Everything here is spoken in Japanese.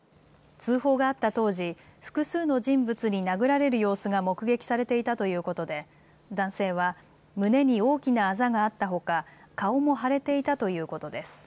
通報があった当時、複数の人物に殴られる様子が目撃されていたということで男性は胸に大きなあざがあったほか顔も腫れていたということです。